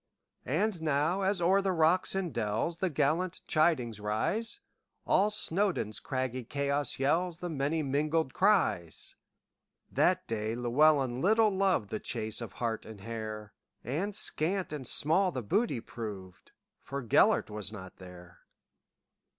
And now, as o'er the rocks and dellsThe gallant chidings rise, All Snowdon's craggy chaos yellsThe many mingled cries! That day Llewelyn little lovedThe chase of hart and hare; And scant and small the booty proved, For Gêlert was not there.